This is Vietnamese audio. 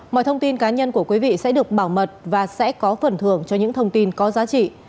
mọi thông tin cá nhân của quý vị sẽ được bảo mật và sẽ có phần thưởng cho những thông tin có giá trị